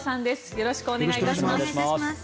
よろしくお願いします。